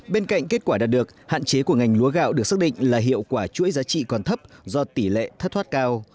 bên cạnh kết quả đạt được hạn chế của ngành lúa gạo được xác định là hiệu quả chuỗi giá trị còn thấp do tỷ lệ thất thoát cao